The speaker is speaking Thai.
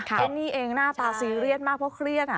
เจนนี่เองหน้าตาซีเรียสมากเพราะเครียด